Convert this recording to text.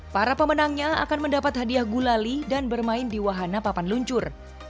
para pemenangnya akan mendapat hadiah gulali dan bermain di wahana papan luncur